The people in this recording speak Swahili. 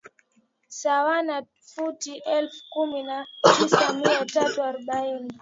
sawana futi elfu kumi na tisa mia tatu arobaini